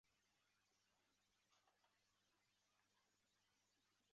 市场也提供农药残留检定及会计等的服务。